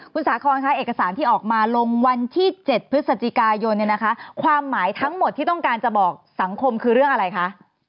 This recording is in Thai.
คุณสาคอนคะเอกสารที่ออกมาลงวันที่๗พฤศจิกายนเนี่ยนะคะความหมายทั้งหมดที่ต้องการจะบอกสังคมคือเรื่องอะไรคะ